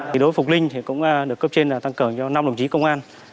đối với phục linh cũng được cấp trên tăng cường cho năm đồng chí công an